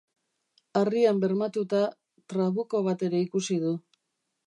Harrian bermatuta, trabuko bat ere ikusi du.